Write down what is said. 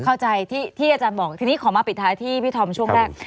เข้าใจที่อาจารย์บอกทีนี้ขอมาปิดท้ายที่พี่ธอมช่วงแรก